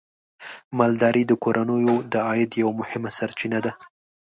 مالداري د کورنیو د عاید یوه مهمه سرچینه ده.